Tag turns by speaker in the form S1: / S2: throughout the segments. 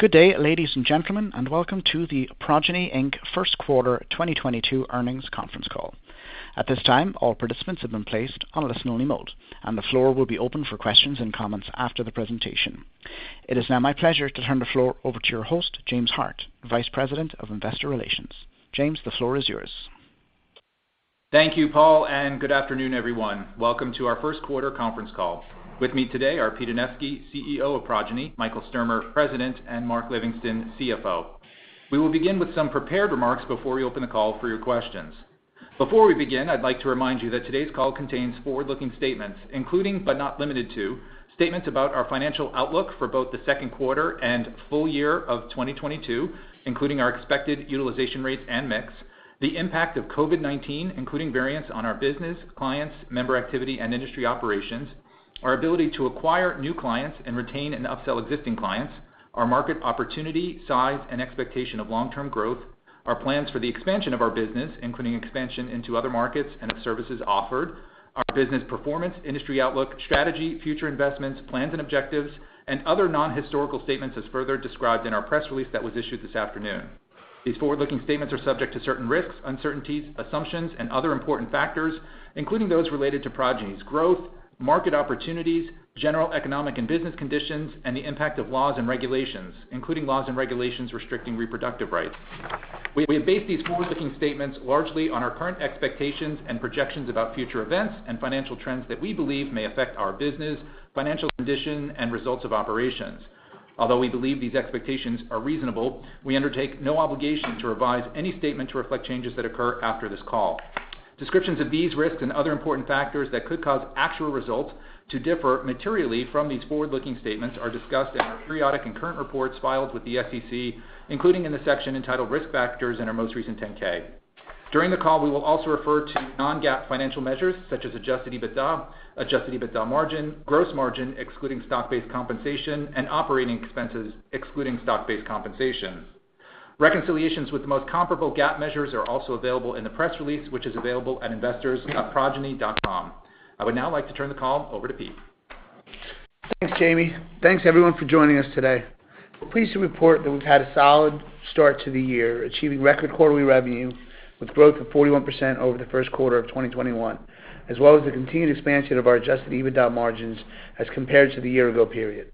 S1: Good day, ladies and gentlemen, and welcome to the Progyny, Inc. First Quarter 2022 Earnings Conference Call. At this time, all participants have been placed on a listen-only mode, and the floor will be open for questions and comments after the presentation. It is now my pleasure to turn the floor over to your host, James Hart, Vice President of Investor Relations. James, the floor is yours.
S2: Thank you, Paul, and good afternoon, everyone. Welcome to our first quarter conference call. With me today are Pete Anevski, CEO of Progyny, Michael Sturmer, President, and Mark Livingston, CFO. We will begin with some prepared remarks before we open the call for your questions. Before we begin, I'd like to remind you that today's call contains forward-looking statements, including, but not limited to, statements about our financial outlook for both the second quarter and full year of 2022, including our expected utilization rates and mix, the impact of COVID-19, including variants on our business, clients, member activity, and industry operations, our ability to acquire new clients and retain and upsell existing clients, our market opportunity, size, and expectation of long-term growth, our plans for the expansion of our business, including expansion into other markets and the services offered, our business performance, industry outlook, strategy, future investments, plans and objectives, and other non-historical statements as further described in our press release that was issued this afternoon. These forward-looking statements are subject to certain risks, uncertainties, assumptions, and other important factors, including those related to Progyny's growth, market opportunities, general economic and business conditions, and the impact of laws and regulations, including laws and regulations restricting reproductive rights. We have based these forward-looking statements largely on our current expectations and projections about future events and financial trends that we believe may affect our business, financial condition, and results of operations. Although we believe these expectations are reasonable, we undertake no obligation to revise any statement to reflect changes that occur after this call. Descriptions of these risks and other important factors that could cause actual results to differ materially from these forward-looking statements are discussed in our periodic and current reports filed with the SEC, including in the section entitled Risk Factors in our most recent 10-K. During the call, we will also refer to non-GAAP financial measures such as adjusted EBITDA, adjusted EBITDA margin, gross margin excluding stock-based compensation and operating expenses excluding stock-based compensation. Reconciliations with the most comparable GAAP measures are also available in the press release, which is available at investors.progyny.com. I would now like to turn the call over to Pete.
S3: Thanks, Jamie. Thanks, everyone for joining us today. We're pleased to report that we've had a solid start to the year, achieving record quarterly revenue with growth of 41% over the first quarter of 2021, as well as the continued expansion of our adjusted EBITDA margins as compared to the year ago period.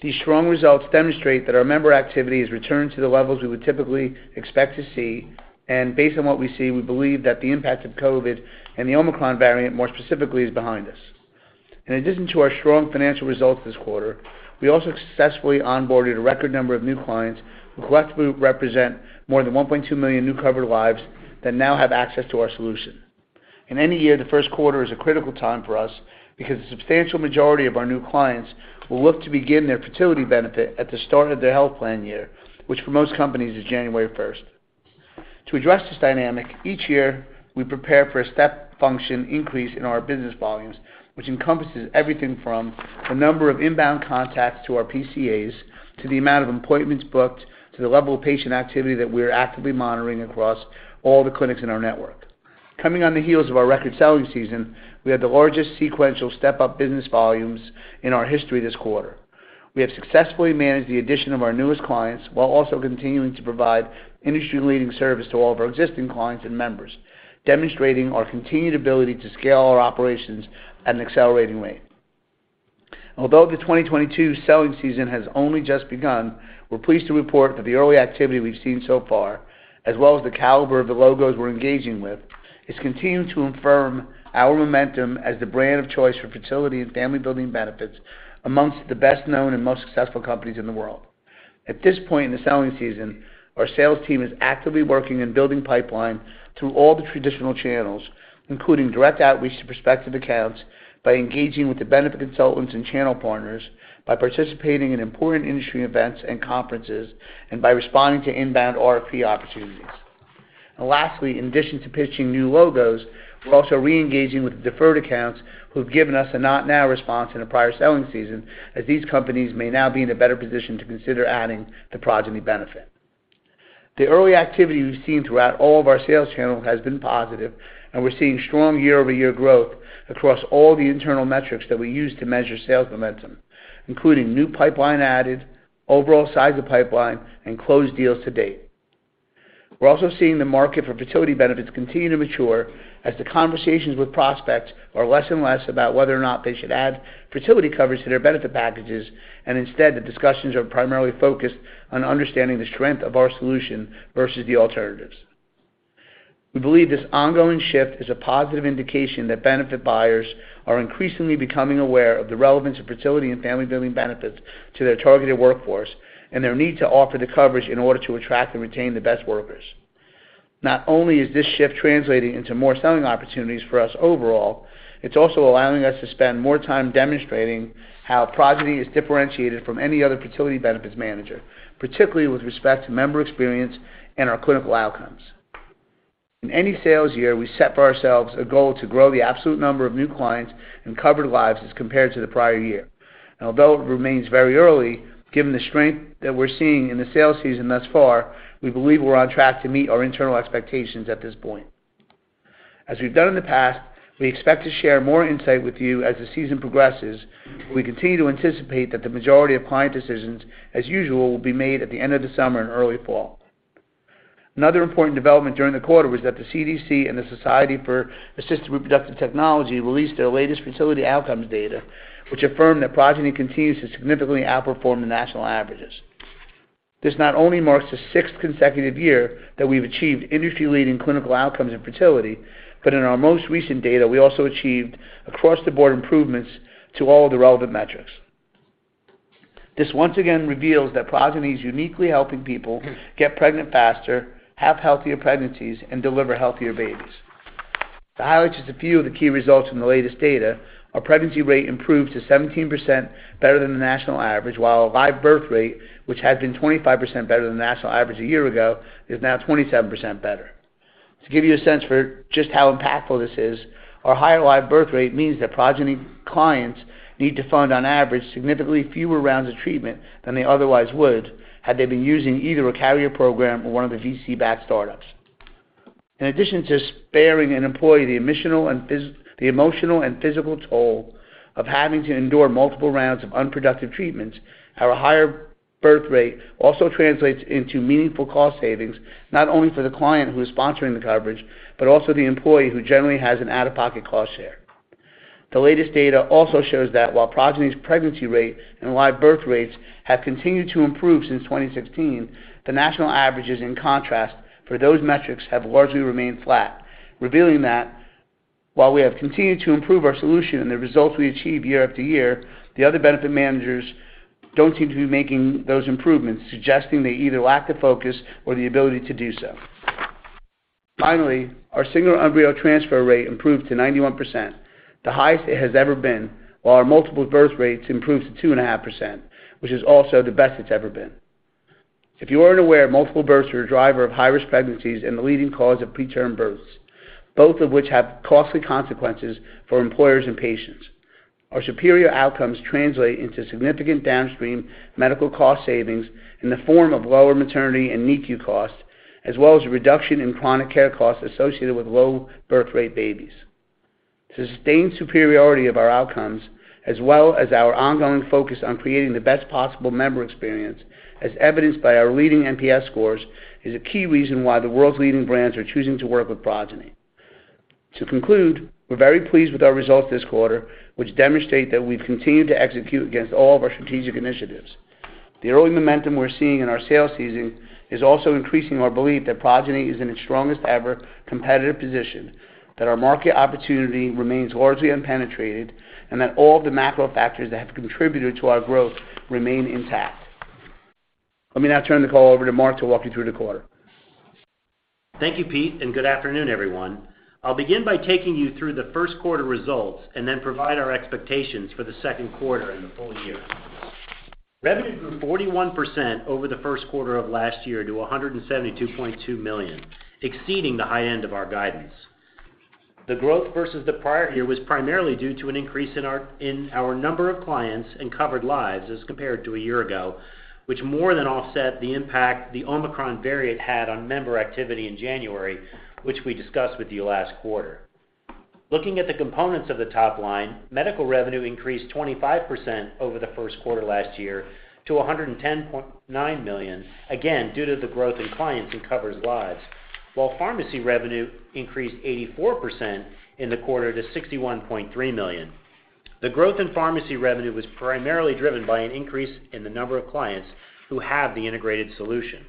S3: These strong results demonstrate that our member activity has returned to the levels we would typically expect to see, and based on what we see, we believe that the impact of COVID and the Omicron variant, more specifically, is behind us. In addition to our strong financial results this quarter, we also successfully onboarded a record number of new clients who collectively represent more than 1.2 million new covered lives that now have access to our solution. In any year, the first quarter is a critical time for us because a substantial majority of our new clients will look to begin their fertility benefit at the start of their health plan year, which for most companies is January first. To address this dynamic, each year, we prepare for a step function increase in our business volumes, which encompasses everything from the number of inbound contacts to our PCAs, to the amount of appointments booked, to the level of patient activity that we are actively monitoring across all the clinics in our network. Coming on the heels of our record selling season, we had the largest sequential step-up business volumes in our history this quarter. We have successfully managed the addition of our newest clients while also continuing to provide industry-leading service to all of our existing clients and members, demonstrating our continued ability to scale our operations at an accelerating rate. Although the 2022 selling season has only just begun, we're pleased to report that the early activity we've seen so far, as well as the caliber of the logos we're engaging with, is continuing to confirm our momentum as the brand of choice for fertility and family building benefits amongst the best-known and most successful companies in the world. At this point in the selling season, our sales team is actively working on building pipeline through all the traditional channels, including direct outreach to prospective accounts by engaging with the benefit consultants and channel partners, by participating in important industry events and conferences, and by responding to inbound RFP opportunities. Lastly, in addition to pitching new logos, we're also re-engaging with the deferred accounts who have given us a not now response in a prior selling season, as these companies may now be in a better position to consider adding the Progyny benefit. The early activity we've seen throughout all of our sales channel has been positive, and we're seeing strong year-over-year growth across all the internal metrics that we use to measure sales momentum, including new pipeline added, overall size of pipeline, and closed deals to date. We're also seeing the market for fertility benefits continue to mature as the conversations with prospects are less and less about whether or not they should add fertility coverage to their benefit packages. Instead, the discussions are primarily focused on understanding the strength of our solution versus the alternatives. We believe this ongoing shift is a positive indication that benefit buyers are increasingly becoming aware of the relevance of fertility and family-building benefits to their targeted workforce and their need to offer the coverage in order to attract and retain the best workers. Not only is this shift translating into more selling opportunities for us overall, it's also allowing us to spend more time demonstrating how Progyny is differentiated from any other fertility benefits manager, particularly with respect to member experience and our clinical outcomes. In any sales year, we set for ourselves a goal to grow the absolute number of new clients and covered lives as compared to the prior year. Although it remains very early, given the strength that we're seeing in the sales season thus far, we believe we're on track to meet our internal expectations at this point. As we've done in the past, we expect to share more insight with you as the season progresses. We continue to anticipate that the majority of client decisions, as usual, will be made at the end of the summer and early fall. Another important development during the quarter was that the CDC and the Society for Assisted Reproductive Technology released their latest facility outcomes data, which affirmed that Progyny continues to significantly outperform the national averages. This not only marks the sixth consecutive year that we've achieved industry-leading clinical outcomes in fertility, but in our most recent data, we also achieved across-the-board improvements to all of the relevant metrics. This once again reveals that Progyny is uniquely helping people get pregnant faster, have healthier pregnancies, and deliver healthier babies. To highlight just a few of the key results in the latest data, our pregnancy rate improved to 17% better than the national average, while our live birth rate, which had been 25% better than the national average a year ago, is now 27% better. To give you a sense for just how impactful this is, our high live birth rate means that Progyny clients need to fund on average significantly fewer rounds of treatment than they otherwise would had they been using either a carrier program or one of the VC-backed startups. In addition to sparing an employee the emotional and physical toll of having to endure multiple rounds of unproductive treatments, our higher birth rate also translates into meaningful cost savings, not only for the client who is sponsoring the coverage, but also the employee who generally has an out-of-pocket cost share. The latest data also shows that while Progyny's pregnancy rate and live birth rates have continued to improve since 2016, the national averages, in contrast, for those metrics have largely remained flat, revealing that while we have continued to improve our solution and the results we achieve year after year, the other benefit managers don't seem to be making those improvements, suggesting they either lack the focus or the ability to do so. Finally, our single embryo transfer rate improved to 91%, the highest it has ever been, while our multiple birth rates improved to 2.5%, which is also the best it's ever been. If you aren't aware, multiple births are a driver of high-risk pregnancies and the leading cause of preterm births, both of which have costly consequences for employers and patients. Our superior outcomes translate into significant downstream medical cost savings in the form of lower maternity and NICU costs, as well as a reduction in chronic care costs associated with low birth rate babies. The sustained superiority of our outcomes, as well as our ongoing focus on creating the best possible member experience, as evidenced by our leading NPS scores, is a key reason why the world's leading brands are choosing to work with Progyny. To conclude, we're very pleased with our results this quarter, which demonstrate that we've continued to execute against all of our strategic initiatives. The early momentum we're seeing in our sales season is also increasing our belief that Progyny is in its strongest ever competitive position, that our market opportunity remains largely unpenetrated, and that all the macro factors that have contributed to our growth remain intact. Let me now turn the call over to Mark to walk you through the quarter.
S4: Thank you, Pete, and good afternoon, everyone. I'll begin by taking you through the first quarter results and then provide our expectations for the second quarter and the full year. Revenue grew 41% over the first quarter of last year to $172.2 million, exceeding the high end of our guidance. The growth versus the prior year was primarily due to an increase in our number of clients and covered lives as compared to a year ago, which more than offset the impact the Omicron variant had on member activity in January, which we discussed with you last quarter. Looking at the components of the top line, medical revenue increased 25% over the first quarter last year to $110.9 million, again, due to the growth in clients and covered lives. While pharmacy revenue increased 84% in the quarter to $61.3 million. The growth in pharmacy revenue was primarily driven by an increase in the number of clients who have the integrated solution.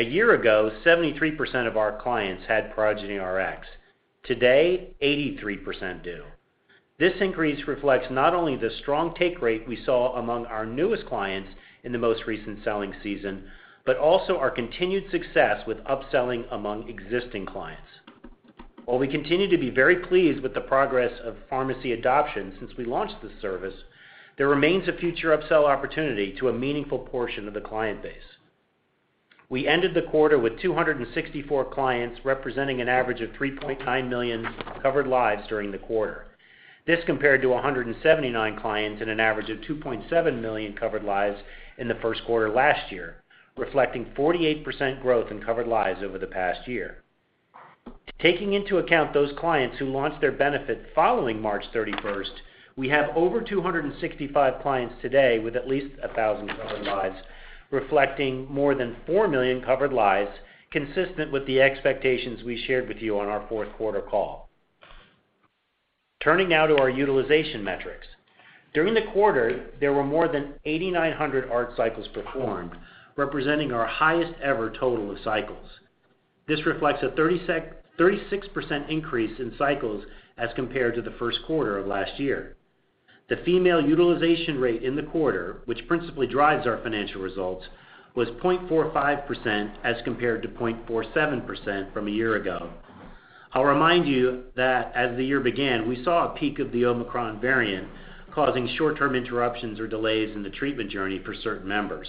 S4: A year ago, 73% of our clients had Progyny Rx. Today, 83% do. This increase reflects not only the strong take rate we saw among our newest clients in the most recent selling season, but also our continued success with upselling among existing clients. While we continue to be very pleased with the progress of pharmacy adoption since we launched this service, there remains a future upsell opportunity to a meaningful portion of the client base. We ended the quarter with 264 clients, representing an average of 3.9 million covered lives during the quarter. This compared to 179 clients and an average of 2.7 million covered lives in the first quarter last year, reflecting 48% growth in covered lives over the past year. Taking into account those clients who launched their benefit following March 31, we have over 265 clients today with at least 1,000 covered lives, reflecting more than 4 million covered lives, consistent with the expectations we shared with you on our fourth quarter call. Turning now to our utilization metrics. During the quarter, there were more than 8,900 ART cycles performed, representing our highest ever total of cycles. This reflects a 36% increase in cycles as compared to the first quarter of last year. The female utilization rate in the quarter, which principally drives our financial results, was 0.45% as compared to 0.47% from a year ago. I'll remind you that as the year began, we saw a peak of the Omicron variant, causing short-term interruptions or delays in the treatment journey for certain members.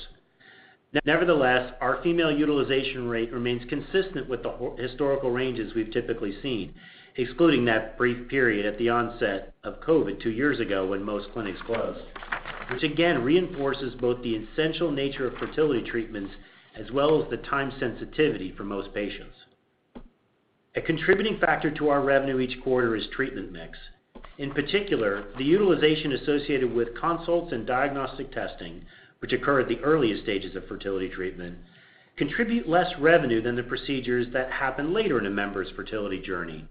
S4: Nevertheless, our female utilization rate remains consistent with the historical ranges we've typically seen, excluding that brief period at the onset of COVID two years ago when most clinics closed, which again reinforces both the essential nature of fertility treatments as well as the time sensitivity for most patients. A contributing factor to our revenue each quarter is treatment mix. In particular, the utilization associated with consults and diagnostic testing, which occur at the earliest stages of fertility treatment, contribute less revenue than the procedures that happen later in a member's fertility journey.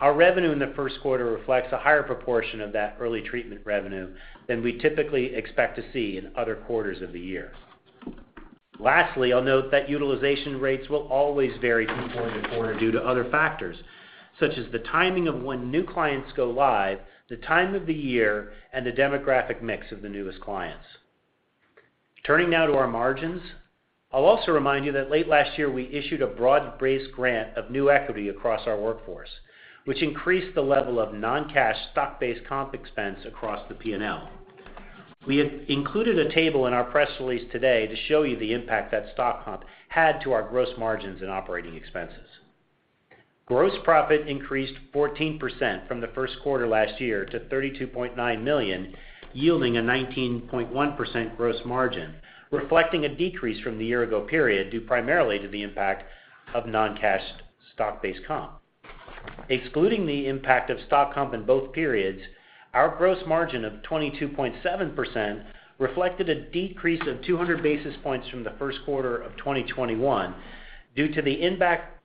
S4: Our revenue in the first quarter reflects a higher proportion of that early treatment revenue than we typically expect to see in other quarters of the year. Lastly, I'll note that utilization rates will always vary from quarter to quarter due to other factors, such as the timing of when new clients go live, the time of the year, and the demographic mix of the newest clients. Turning now to our margins. I'll also remind you that late last year, we issued a broad-based grant of new equity across our workforce, which increased the level of non-cash stock-based comp expense across the P&L. We have included a table in our press release today to show you the impact that stock comp had on our gross margins and operating expenses. Gross profit increased 14% from the first quarter last year to $32.9 million, yielding a 19.1% gross margin, reflecting a decrease from the year ago period, due primarily to the impact of non-cash stock-based comp. Excluding the impact of stock comp in both periods, our gross margin of 22.7% reflected a decrease of 200 basis points from the first quarter of 2021 due to the impact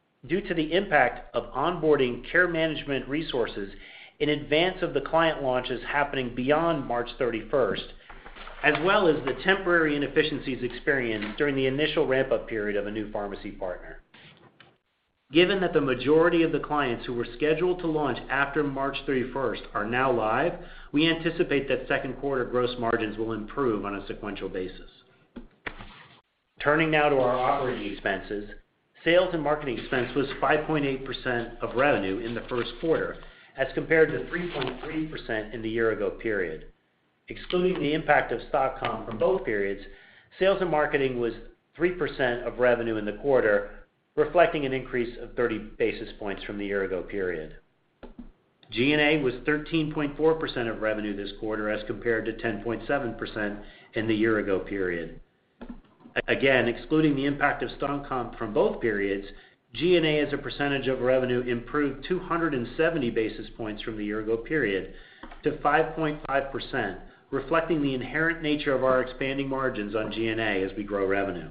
S4: of onboarding care management resources in advance of the client launches happening beyond March 31, as well as the temporary inefficiencies experienced during the initial ramp-up period of a new pharmacy partner. Given that the majority of the clients who were scheduled to launch after March 31 are now live, we anticipate that second quarter gross margins will improve on a sequential basis. Turning now to our operating expenses, sales and marketing expense was 5.8% of revenue in the first quarter as compared to 3.3% in the year ago period. Excluding the impact of stock comp from both periods, sales and marketing was 3% of revenue in the quarter, reflecting an increase of 30 basis points from the year ago period. G&A was 13.4% of revenue this quarter, as compared to 10.7% in the year ago period. Again, excluding the impact of stock comp from both periods, G&A as a percentage of revenue improved 270 basis points from the year ago period to 5.5%, reflecting the inherent nature of our expanding margins on G&A as we grow revenue.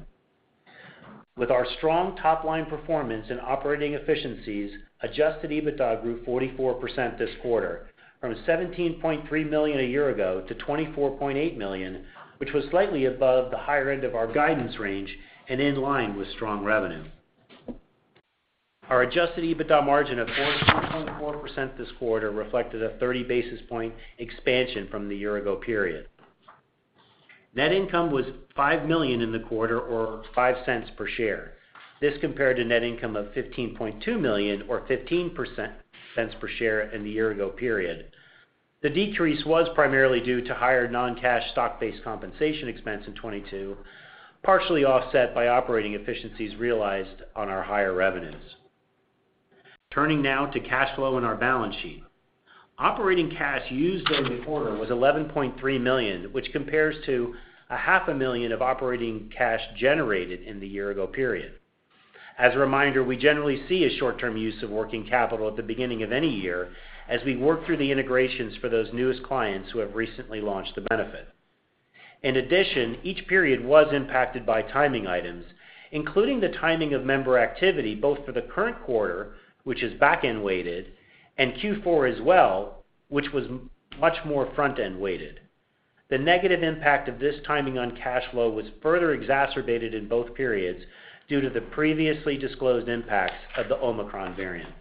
S4: With our strong top-line performance and operating efficiencies, adjusted EBITDA grew 44% this quarter from $17.3 million a year ago to $24.8 million, which was slightly above the higher end of our guidance range and in line with strong revenue. Our adjusted EBITDA margin of 14.4% this quarter reflected a 30 basis point expansion from the year ago period. Net income was $5 million in the quarter, or $0.05 per share. This compared to net income of $15.2 million or $0.15 per share in the year ago period. The decrease was primarily due to higher non-cash stock-based compensation expense in 2022, partially offset by operating efficiencies realized on our higher revenues. Turning now to cash flow and our balance sheet. Operating cash used during the quarter was $11.3 million, which compares to $ half a million of operating cash generated in the year ago period. As a reminder, we generally see a short-term use of working capital at the beginning of any year as we work through the integrations for those newest clients who have recently launched the benefit. In addition, each period was impacted by timing items, including the timing of member activity, both for the current quarter, which is back-end weighted, and Q4 as well, which was much more front-end weighted. The negative impact of this timing on cash flow was further exacerbated in both periods due to the previously disclosed impacts of the Omicron variant.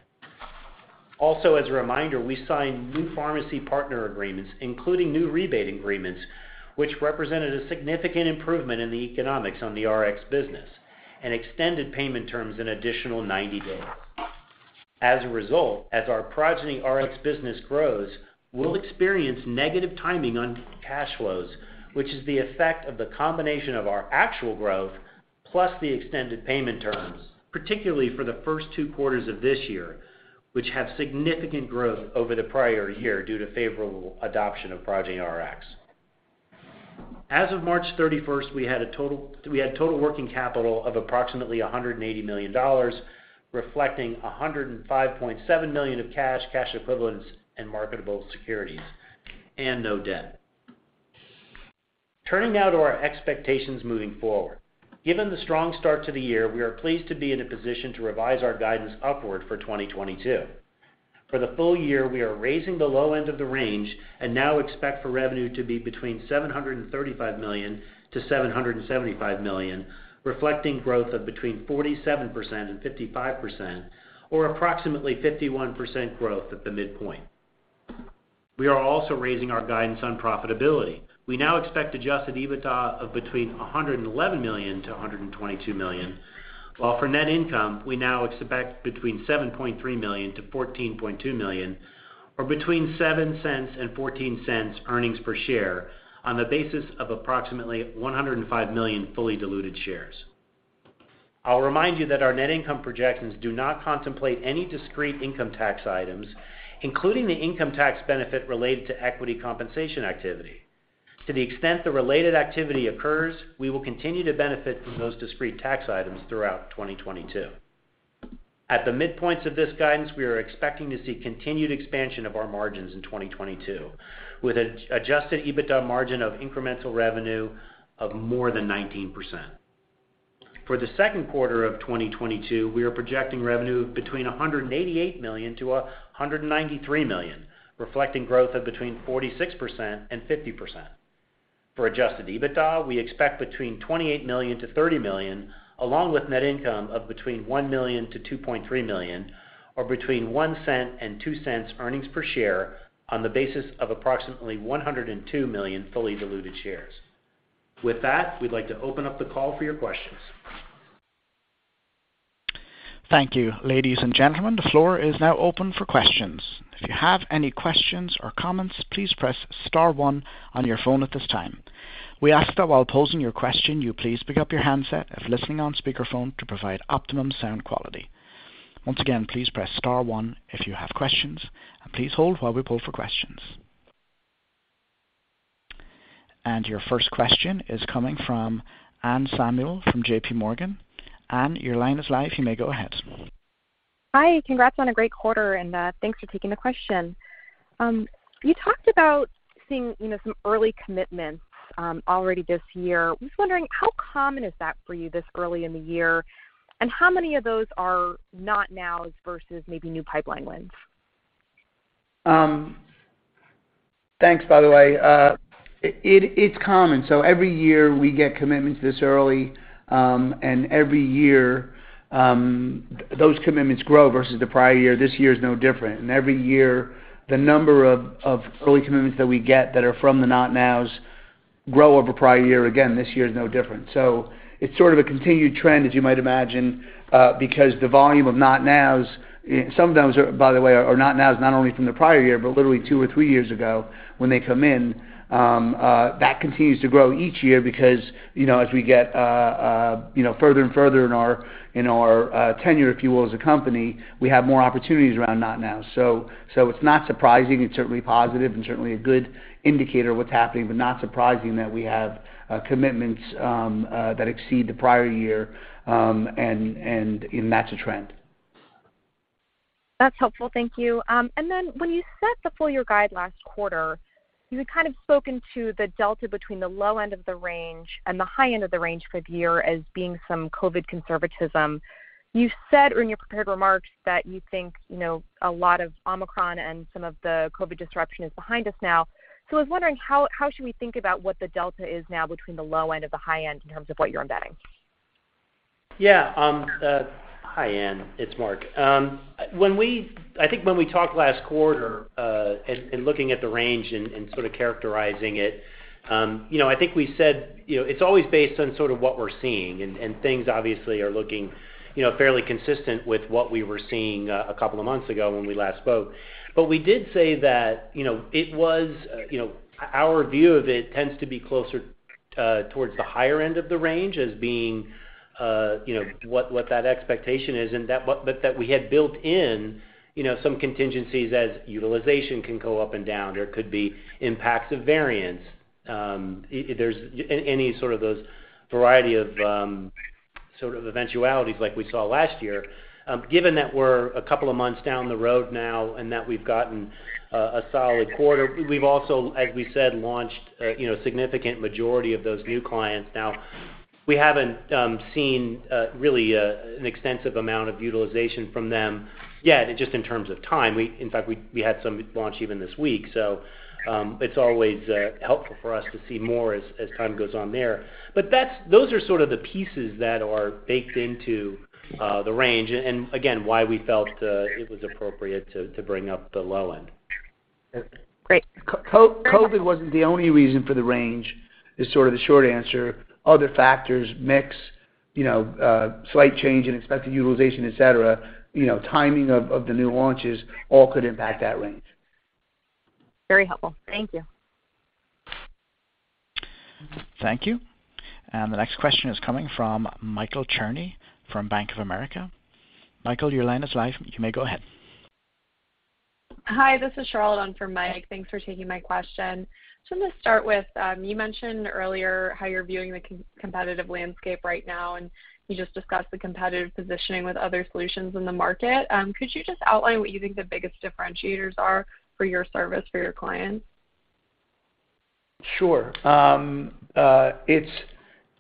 S4: Also, as a reminder, we signed new pharmacy partner agreements, including new rebate agreements, which represented a significant improvement in the economics on the Rx business and extended payment terms an additional 90 days. As a result, as our Progyny Rx business grows, we'll experience negative timing on cash flows, which is the effect of the combination of our actual growth plus the extended payment terms, particularly for the first two quarters of this year, which have significant growth over the prior year due to favorable adoption of Progyny Rx. As of March 31st, we had total working capital of approximately $180 million, reflecting $105.7 million of cash equivalents, and marketable securities, and no debt. Turning now to our expectations moving forward. Given the strong start to the year, we are pleased to be in a position to revise our guidance upward for 2022. For the full year, we are raising the low end of the range and now expect for revenue to be between $735 million-$775 million, reflecting growth of between 47%-55%, or approximately 51% growth at the midpoint. We are also raising our guidance on profitability. We now expect adjusted EBITDA of between $111 million and $122 million, while for net income, we now expect between $7.3 million and $14.2 million, or between 7 cents and 14 cents earnings per share on the basis of approximately 105 million fully diluted shares. I'll remind you that our net income projections do not contemplate any discrete income tax items, including the income tax benefit related to equity compensation activity. To the extent the related activity occurs, we will continue to benefit from those discrete tax items throughout 2022. At the midpoints of this guidance, we are expecting to see continued expansion of our margins in 2022, with an adjusted EBITDA margin of incremental revenue of more than 19%. For the second quarter of 2022, we are projecting revenue between $188 million-$193 million, reflecting growth of between 46%-50%. For adjusted EBITDA, we expect between $28 million-$30 million, along with net income of between $1 million-$2.3 million or between $0.01-$0.02 earnings per share on the basis of approximately 102 million fully diluted shares. With that, we'd like to open up the call for your questions.
S1: Thank you. Ladies and gentlemen, the floor is now open for questions. If you have any questions or comments, please press star one on your phone at this time. We ask that while posing your question, you please pick up your handset if listening on speakerphone to provide optimum sound quality. Once again, please press star one if you have questions, and please hold while we pull for questions. Your first question is coming from Anne Samuel from J.P. Morgan. Anne, your line is live, you may go ahead.
S5: Hi, congrats on a great quarter, and thanks for taking the question. You talked about seeing, you know, some early commitments already this year. Was wondering how common is that for you this early in the year, and how many of those are net new versus maybe new pipeline wins?
S3: Thanks by the way. It's common. Every year we get commitments this early, and every year, those commitments grow versus the prior year. This year is no different. Every year, the number of early commitments that we get that are from the not nows grow over prior year. Again, this year is no different. It's sort of a continued trend as you might imagine, because the volume of not nows, some of those, by the way, are not nows, not only from the prior year, but literally two or three years ago when they come in, that continues to grow each year because, you know, as we get, you know, further and further in our tenure, if you will, as a company, we have more opportunities around not nows. it's not surprising. It's certainly positive and certainly a good indicator of what's happening, but not surprising that we have commitments that exceed the prior year, and that's a trend.
S5: That's helpful. Thank you. When you set the full year guide last quarter, you had kind of spoken to the delta between the low end of the range and the high end of the range for the year as being some COVID conservatism. You said in your prepared remarks that you think, you know, a lot of Omicron and some of the COVID disruption is behind us now. I was wondering how should we think about what the delta is now between the low end and the high end in terms of what you're embedding?
S4: Yeah. Hi, Anne, it's Mark. I think when we talked last quarter, and looking at the range and sort of characterizing it, you know, I think we said, you know, it's always based on sort of what we're seeing, and things obviously are looking, you know, fairly consistent with what we were seeing, a couple of months ago when we last spoke. But we did say that, you know, it was, you know, our view of it tends to be closer, towards the higher end of the range as being, you know, what that expectation is and that we had built in, you know, some contingencies as utilization can go up and down. There could be impacts of variance. There's any sort of those variety of sort of eventualities like we saw last year. Given that we're a couple of months down the road now and that we've gotten a solid quarter, we've also, as we said, launched you know significant majority of those new clients now. We haven't seen really an extensive amount of utilization from them yet, just in terms of time. In fact, we had some launch even this week. It's always helpful for us to see more as time goes on there. Those are sort of the pieces that are baked into the range, and again, why we felt it was appropriate to bring up the low end.
S5: Great.
S3: COVID wasn't the only reason for the range is sort of the short answer. Other factors, mix, you know, slight change in expected utilization, et cetera, you know, timing of the new launches all could impact that range.
S5: Very helpful. Thank you.
S1: Thank you. The next question is coming from Michael Cherny from Bank of America. Michael, your line is live. You may go ahead.
S6: Hi, this is Charlotte on for Mike. Thanks for taking my question. Just want to start with, you mentioned earlier how you're viewing the competitive landscape right now, and you just discussed the competitive positioning with other solutions in the market. Could you just outline what you think the biggest differentiators are for your service for your clients?
S3: Sure. It's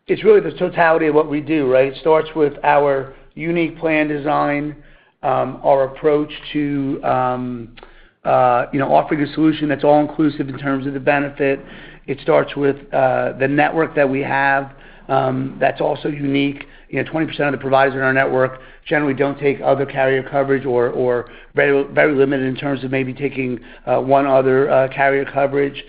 S3: really the totality of what we do, right? It starts with our unique plan design, our approach to, you know, offering a solution that's all inclusive in terms of the benefit. It starts with the network that we have, that's also unique. You know, 20% of the providers in our network generally don't take other carrier coverage or very limited in terms of maybe taking one other carrier coverage.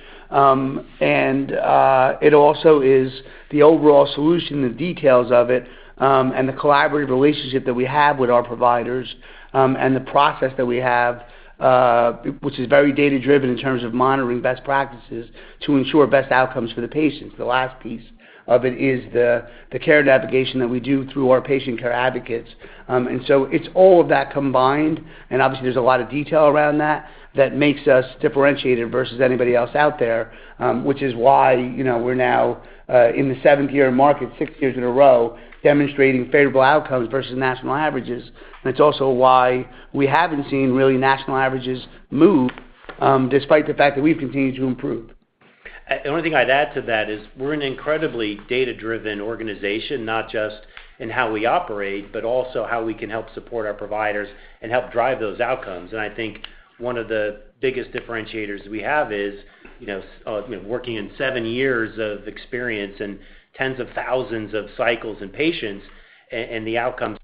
S3: It also is the overall solution, the details of it, and the collaborative relationship that we have with our providers, and the process that we have, which is very data-driven in terms of monitoring best practices to ensure best outcomes for the patients. The last piece of it is the care navigation that we do through our Patient Care Advocates. It's all of that combined, and obviously there's a lot of detail around that that makes us differentiated versus anybody else out there, which is why, you know, we're now in the seventh year, marking six years in a row, demonstrating favorable outcomes versus national averages. It's also why we haven't seen really national averages move, despite the fact that we've continued to improve.
S7: The only thing I'd add to that is we're an incredibly data-driven organization, not just in how we operate, but also how we can help support our providers and help drive those outcomes. I think one of the biggest differentiators we have is, you know, working with seven years of experience and tens of thousands of cycles and patients and the outcomes.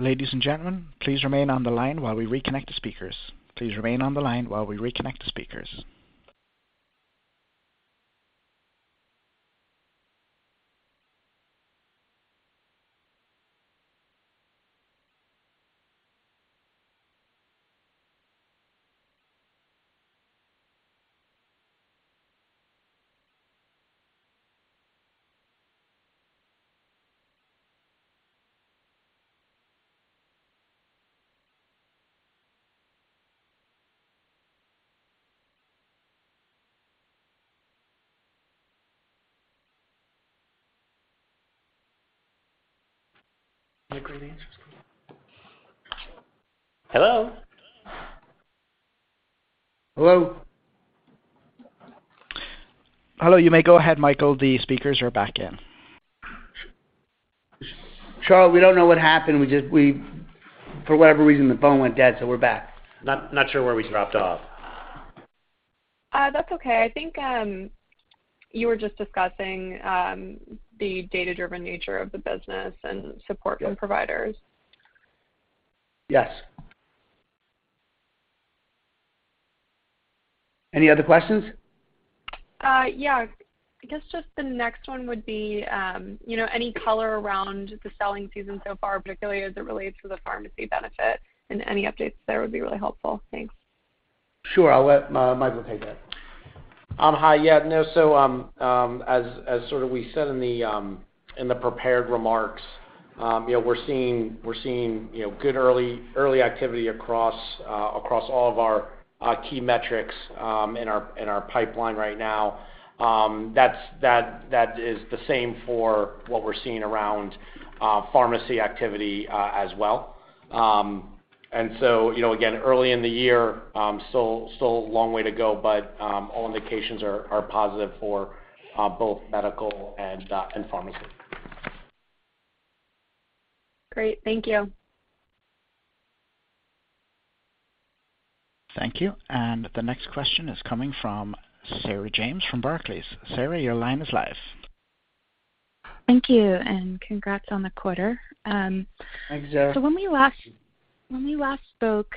S1: Ladies and gentlemen, please remain on the line while we reconnect the speakers.
S7: Hello?
S3: Hello?
S1: Hello, you may go ahead, Michael. The speakers are back in.
S3: Charles, we don't know what happened. We just for whatever reason, the phone went dead, so we're back.
S7: Not sure where we dropped off.
S6: That's okay. I think you were just discussing the data-driven nature of the business and support from providers.
S3: Yes. Any other questions?
S6: Yeah. I guess just the next one would be, you know, any color around the selling season so far, particularly as it relates to the pharmacy benefit and any updates there would be really helpful. Thanks.
S3: Sure. I'll let Michael take that.
S7: Hi. Yeah. No, as we sort of said in the prepared remarks, you know, we're seeing you know good early activity across all of our key metrics in our pipeline right now. That is the same for what we're seeing around pharmacy activity as well. You know, again, early in the year, still a long way to go, but all indications are positive for both medical and pharmacy.
S6: Great. Thank you.
S1: Thank you. The next question is coming from Sarah James from Barclays. Sarah, your line is live.
S8: Thank you, and congrats on the quarter.
S3: Thanks, Sarah.
S8: When we last spoke,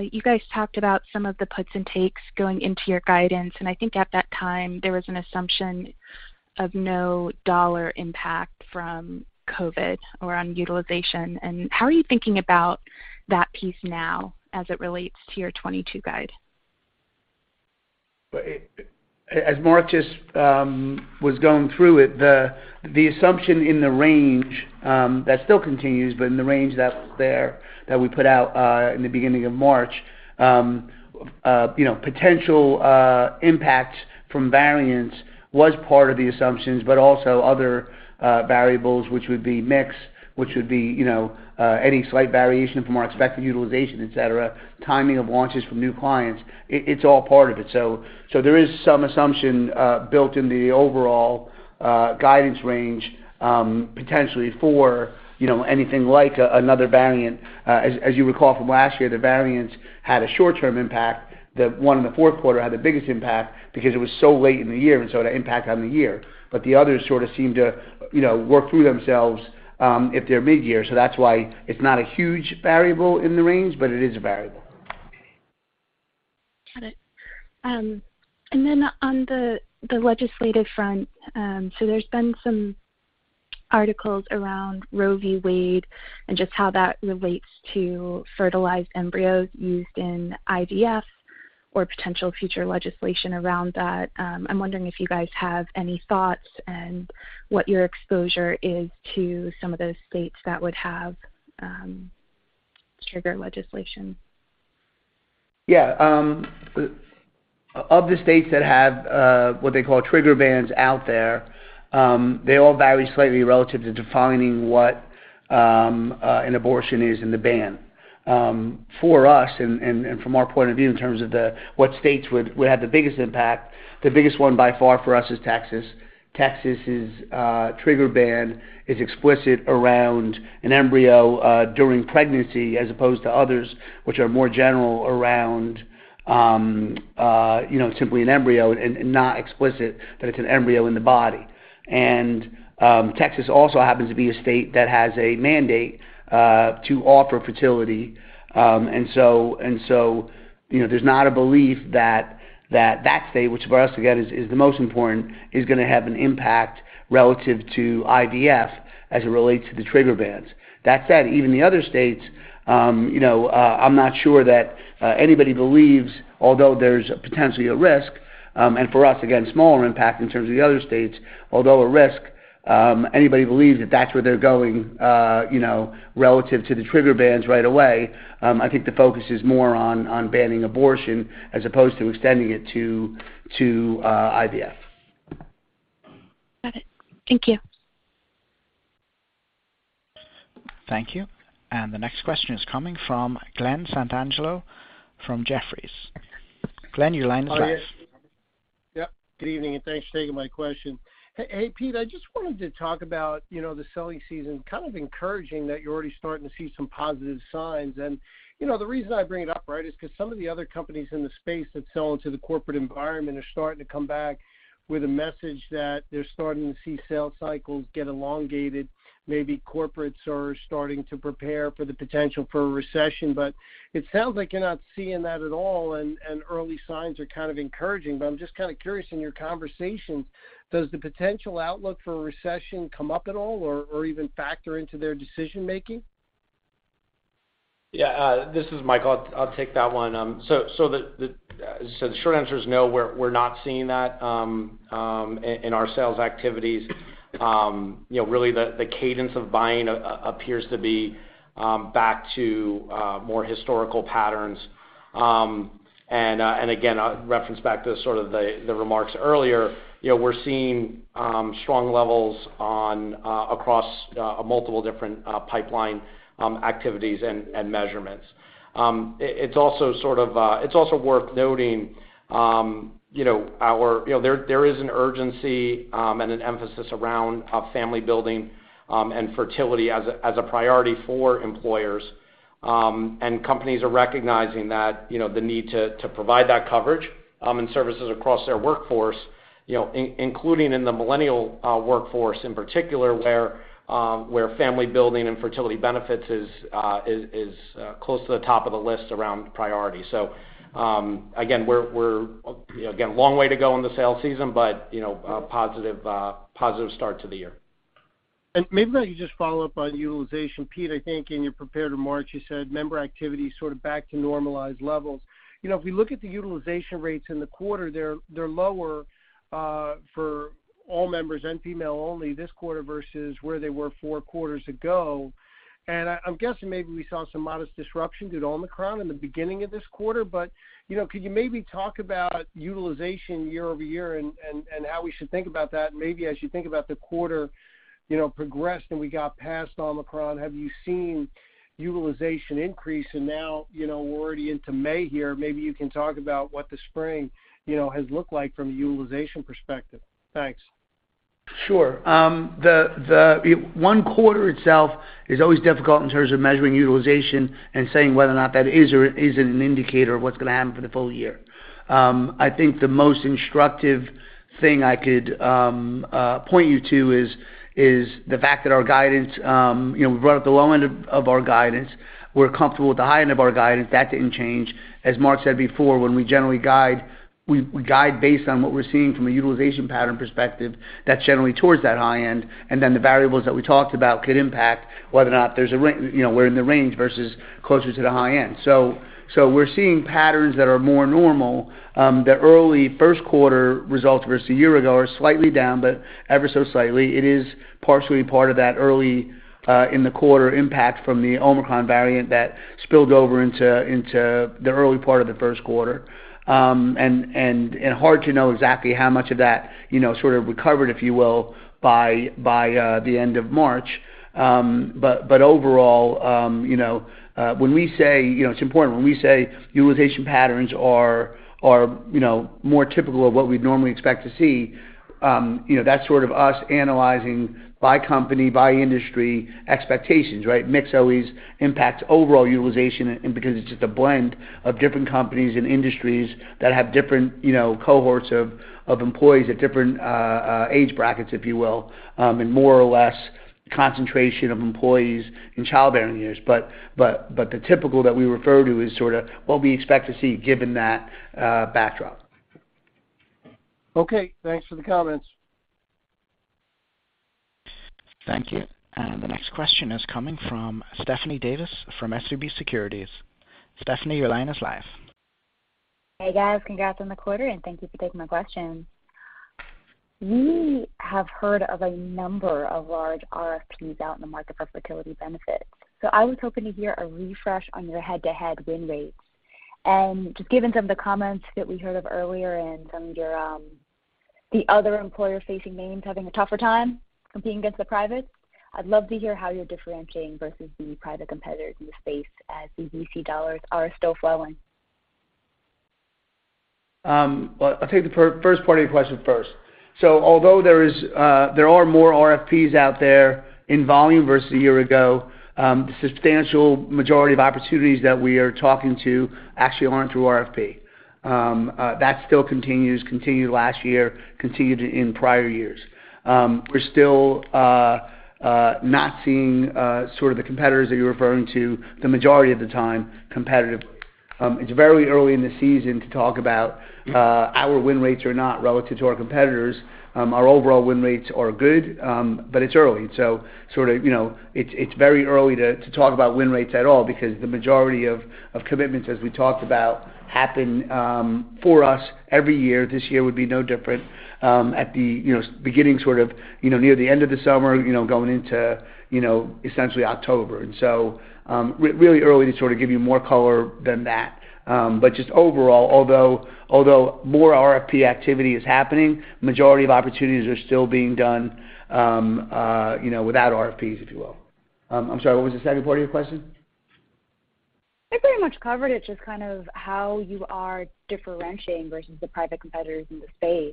S8: you guys talked about some of the puts and takes going into your guidance, and I think at that time, there was an assumption of no dollar impact from COVID or on utilization. How are you thinking about that piece now as it relates to your 2022 guide?
S3: As Mark just was going through it, the assumption in the range that still continues, but in the range that was there that we put out in the beginning of March, you know, potential impacts from variants was part of the assumptions, but also other variables, which would be mix, you know, any slight variation from our expected utilization, et cetera, timing of launches from new clients. It's all part of it. There is some assumption built into the overall guidance range, potentially for you know, anything like another variant. As you recall from last year, the variants had a short-term impact. The one in the fourth quarter had the biggest impact because it was so late in the year, and so it had impact on the year. The others sort of seemed to, you know, work through themselves, if they're mid-year. That's why it's not a huge variable in the range, but it is a variable.
S8: Got it. On the legislative front, there's been some articles around Roe v. Wade and just how that relates to fertilized embryos used in IVF or potential future legislation around that. I'm wondering if you guys have any thoughts and what your exposure is to some of those states that would have trigger legislation.
S3: Yeah. Of the states that have what they call trigger bans out there, they all vary slightly relative to defining what an abortion is in the ban. For us and from our point of view in terms of what states would have the biggest impact, the biggest one by far for us is Texas. Texas's trigger ban is explicit around an embryo during pregnancy as opposed to others which are more general around you know simply an embryo and not explicit that it's an embryo in the body. Texas also happens to be a state that has a mandate to offer fertility, and so, you know, there's not a belief that that state, which for us again is the most important, is gonna have an impact relative to IVF as it relates to the trigger bans. That said, even the other states, you know, I'm not sure that anybody believes that that's where they're going, although there's potentially a risk, and for us, again, smaller impact in terms of the other states, although a risk, you know, relative to the trigger bans right away. I think the focus is more on banning abortion as opposed to extending it to IVF.
S8: Got it. Thank you.
S1: Thank you. The next question is coming from Glen Santangelo from Jefferies. Glen, your line is live.
S9: Hi. Yep. Good evening, and thanks for taking my question. Hey, Pete, I just wanted to talk about, you know, the selling season. Kind of encouraging that you're already starting to see some positive signs. You know, the reason I bring it up, right, is 'cause some of the other companies in the space that sell into the corporate environment are starting to come back with a message that they're starting to see sales cycles get elongated. Maybe corporates are starting to prepare for the potential for a recession. It sounds like you're not seeing that at all and early signs are kind of encouraging. I'm just kinda curious, in your conversations, does the potential outlook for a recession come up at all or even factor into their decision-making?
S7: This is Mike. I'll take that one. The short answer is no, we're not seeing that in our sales activities. You know, really the cadence of buying appears to be back to more historical patterns. Again, a reference back to sort of the remarks earlier, you know, we're seeing strong levels across multiple different pipeline activities and measurements. It's also worth noting, you know. You know, there is an urgency and an emphasis around family building and fertility as a priority for employers. Companies are recognizing that, you know, the need to provide that coverage and services across their workforce, you know, including in the millennial workforce in particular, where family building and fertility benefits is close to the top of the list around priority. Again, we're, you know, again, a long way to go in the sales season, but, you know, a positive start to the year.
S9: Maybe let me just follow up on utilization. Pete, I think in your prepared remarks, you said member activity sort of back to normalized levels. You know, if we look at the utilization rates in the quarter, they're lower for all members and female only this quarter versus where they were four quarters ago. I'm guessing maybe we saw some modest disruption due to Omicron in the beginning of this quarter. You know, could you maybe talk about utilization year over year and how we should think about that? Maybe as you think about the quarter, you know, progressed and we got past Omicron, have you seen utilization increase? Now, you know, we're already into May here, maybe you can talk about what the spring, you know, has looked like from a utilization perspective. Thanks.
S3: Sure. One quarter itself is always difficult in terms of measuring utilization and saying whether or not that is or isn't an indicator of what's gonna happen for the full year. I think the most instructive thing I could point you to is the fact that our guidance, you know, we're right at the low end of our guidance. We're comfortable with the high end of our guidance. That didn't change. As Mark said before, when we generally guide, we guide based on what we're seeing from a utilization pattern perspective that's generally towards that high end, and then the variables that we talked about could impact whether or not, you know, we're in the range versus closer to the high end. We're seeing patterns that are more normal. The early first quarter results versus a year ago are slightly down, but ever so slightly. It is partially part of that early in the quarter impact from the Omicron variant that spilled over into the early part of the first quarter. Hard to know exactly how much of that, you know, sort of recovered, if you will, by the end of March. Overall, you know, when we say, you know, it's important when we say utilization patterns are, you know, more typical of what we'd normally expect to see, you know, that's sort of us analyzing by company, by industry expectations, right? Mix always impacts overall utilization and because it's just a blend of different companies and industries that have different, you know, cohorts of employees at different age brackets, if you will, and more or less concentration of employees in childbearing years. The typical that we refer to is sorta what we expect to see given that backdrop.
S9: Okay, thanks for the comments.
S1: Thank you. The next question is coming from Stephanie Davis from SVB Securities. Stephanie, your line is live.
S10: Hey, guys. Congrats on the quarter, and thank you for taking my questions. We have heard of a number of large RFPs out in the market for fertility benefits, so I was hoping to hear a refresh on your head-to-head win rates. Just given some of the comments that we heard of earlier and some of your, the other employer-facing names having a tougher time competing against the privates, I'd love to hear how you're differentiating versus the private competitors in the space as these VC dollars are still flowing.
S3: Well, I'll take the first part of your question first. Although there are more RFPs out there in volume versus a year ago, the substantial majority of opportunities that we are talking to actually aren't through RFP. That still continues, continued last year, continued in prior years. We're still not seeing sort of the competitors that you're referring to the majority of the time competitive. It's very early in the season to talk about our win rates [that] are not relative to our competitors. Our overall win rates are good, it's early. Sort of, you know, it's very early to talk about win rates at all because the majority of commitments, as we talked about, happen for us every year, this year would be no different, at the beginning sort of, you know, near the end of the summer, you know, going into, you know, essentially October. Really early to sort of give you more color than that. But just overall, although more RFP activity is happening, majority of opportunities are still being done, you know, without RFPs, if you will. I'm sorry, what was the second part of your question?
S10: You pretty much covered it, just kind of how you are differentiating versus the private competitors in the space.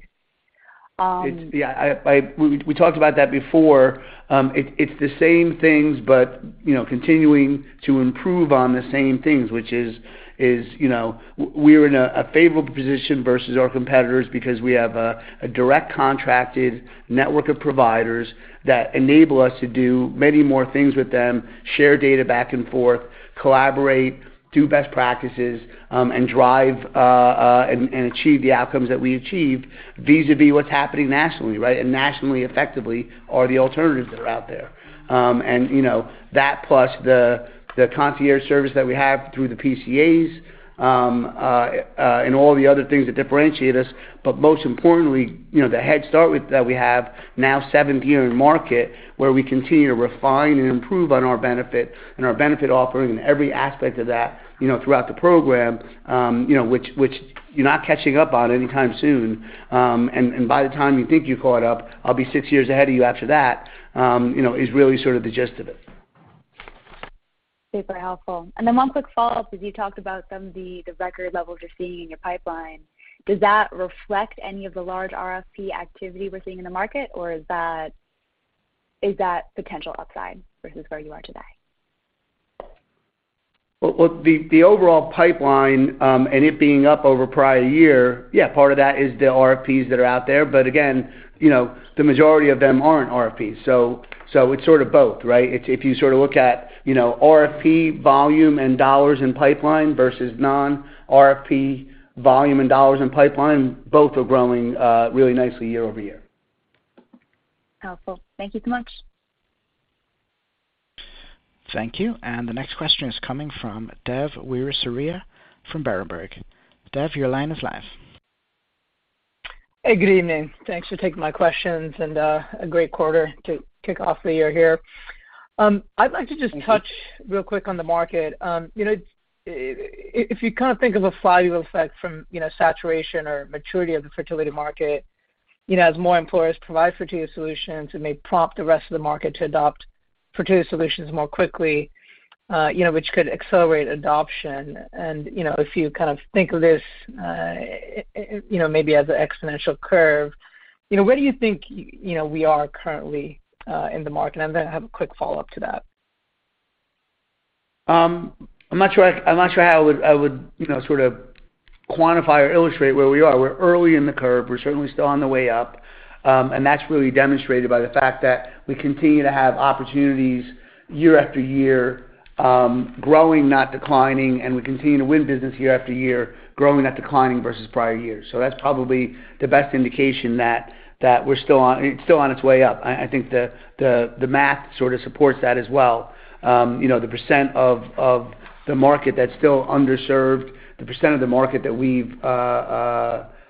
S3: Yeah. We talked about that before. It's the same things but, you know, continuing to improve on the same things, which is, you know, we're in a favorable position versus our competitors because we have a direct contracted network of providers that enable us to do many more things with them, share data back and forth, collaborate, do best practices, and drive and achieve the outcomes that we achieved vis-à-vis what's happening nationally, right? Nationally effectively are the alternatives that are out there. You know, that plus the concierge service that we have through the PCAs and all the other things that differentiate us. Most importantly, you know, the head start that we have now 7 years in market, where we continue to refine and improve on our benefit and our benefit offering and every aspect of that, you know, throughout the program, which you're not catching up on anytime soon. And by the time you think you caught up, I'll be 6 years ahead of you after that, you know, is really sort of the gist of it.
S10: Super helpful. One quick follow-up is you talked about some of the record levels you're seeing in your pipeline. Does that reflect any of the large RFP activity we're seeing in the market, or is that potential upside versus where you are today?
S3: Well, the overall pipeline and it being up over prior year, yeah, part of that is the RFPs that are out there. Again, you know, the majority of them aren't RFPs. It's sort of both, right? It's if you sort of look at, you know, RFP volume and dollars in pipeline versus non-RFP volume and dollars in pipeline, both are growing really nicely year-over-year.
S10: Helpful. Thank you so much.
S1: Thank you. The next question is coming from Dev Weerasuriya from Berenberg. Dev, your line is live.
S11: Hey, good evening. Thanks for taking my questions and a great quarter to kick off the year here. I'd like to just.
S3: Thank you.
S11: Touch real quick on the market. If you kind of think of a flywheel effect from saturation or maturity of the fertility market, you know, as more employers provide fertility solutions, it may prompt the rest of the market to adopt fertility solutions more quickly, you know, which could accelerate adoption. You know, if you kind of think of this, you know, maybe as an exponential curve, you know, where do you think, you know, we are currently in the market? I have a quick follow-up to that.
S3: I'm not sure how I would, you know, sort of quantify or illustrate where we are. We're early in the curve. We're certainly still on the way up. That's really demonstrated by the fact that we continue to have opportunities year after year, growing not declining, and we continue to win business year after year, growing not declining versus prior years. That's probably the best indication that we're still on its way up. I think the math sort of supports that as well. You know, the percent of the market that's still underserved, the percent of the market that we've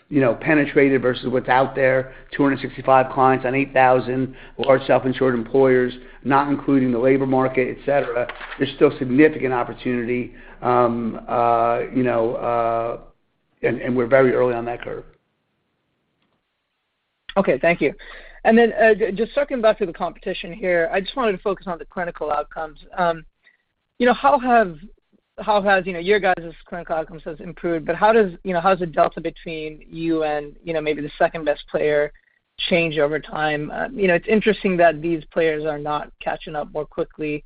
S3: penetrated versus what's out there, 265 clients on 8,000 large self-insured employers, not including the labor market, et cetera. There's still significant opportunity, you know, and we're very early on that curve.
S11: Okay. Thank you. Just circling back to the competition here, I just wanted to focus on the clinical outcomes. You know, how has your guys' clinical outcomes has improved, but how does the delta between you and you know, maybe the second-best player change over time? You know, it's interesting that these players are not catching up more quickly.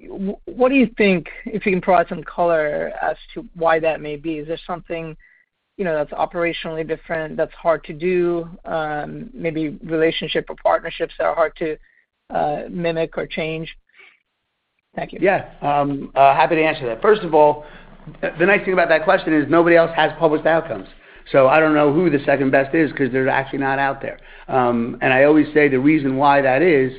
S11: What do you think, if you can provide some color as to why that may be? Is there something you know, that's operationally different that's hard to do? Maybe relationship or partnerships that are hard to mimic or change? Thank you.
S3: Yeah. Happy to answer that. First of all, the nice thing about that question is nobody else has published outcomes, so I don't know who the second best is because they're actually not out there. I always say the reason why that is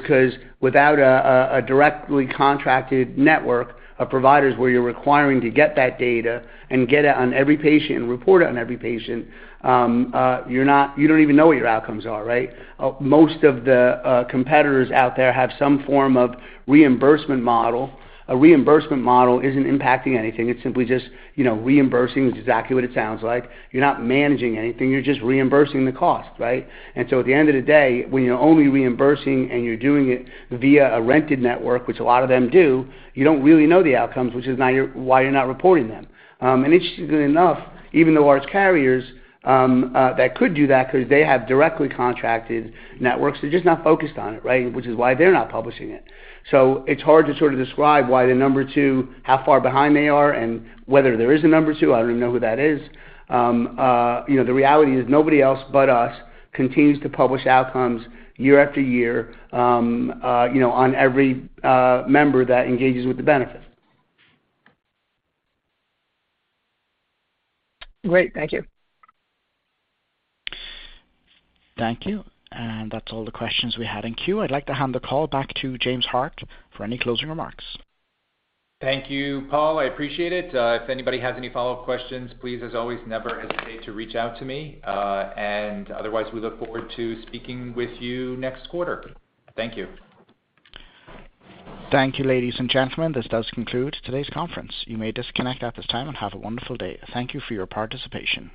S3: 'cause without a directly contracted network of providers where you're requiring to get that data and get it on every patient and report it on every patient, you don't even know what your outcomes are, right? Most of the competitors out there have some form of reimbursement model. A reimbursement model isn't impacting anything. It's simply just, you know, reimbursing is exactly what it sounds like. You're not managing anything. You're just reimbursing the cost, right? At the end of the day, when you're only reimbursing and you're doing it via a rented network, which a lot of them do, you don't really know the outcomes, which is why you're not reporting them. Interestingly enough, even the large carriers that could do that because they have directly contracted networks, they're just not focused on it, right? Which is why they're not publishing it. It's hard to sort of describe why the number two, how far behind they are and whether there is a number two. I don't even know who that is. You know, the reality is nobody else but us continues to publish outcomes year after year, you know, on every member that engages with the benefit.
S11: Great. Thank you.
S1: Thank you. That's all the questions we had in queue. I'd like to hand the call back to James Hart for any closing remarks.
S2: Thank you, Paul. I appreciate it. If anybody has any follow-up questions, please, as always, never hesitate to reach out to me. Otherwise, we look forward to speaking with you next quarter. Thank you.
S1: Thank you, ladies and gentlemen. This does conclude today's conference. You may disconnect at this time and have a wonderful day. Thank you for your participation.